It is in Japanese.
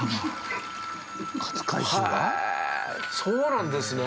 そうなんですね。